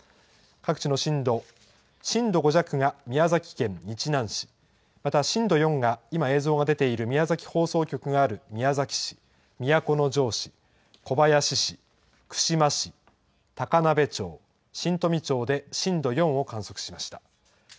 各地の震度、震度５弱が宮崎県日南市、また震度４が今映像が出ている宮崎放送局がある宮崎市、都城市、小林市、串間市、高鍋町、新富町で震度４を観測しました。